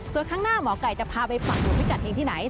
ส่วนข้างหน้าหมอไก่จะพาไปฝากดูพิกัดเฮงที่ไหน